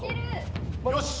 よし。